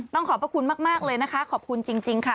ขอบพระคุณมากเลยนะคะขอบคุณจริงค่ะ